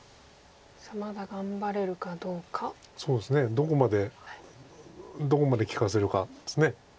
どこまでどこまで利かせるかです。